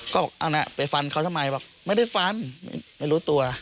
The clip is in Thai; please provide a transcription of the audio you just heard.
ก็บอกเอานะไปฟันเขาทำไมบอกไม่ได้ฟันไม่รู้ตัว